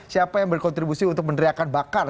siapa yang berkontribusi untuk meneriakan bakar